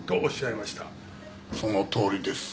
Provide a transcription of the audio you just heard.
そのとおりです。